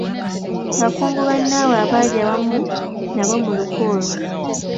Bakungu bannaabwe abaali awamu nabo mu lukwe olwo.